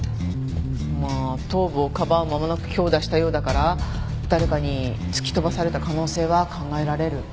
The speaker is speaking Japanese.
まあ頭部をかばう間もなく強打したようだから誰かに突き飛ばされた可能性は考えられる。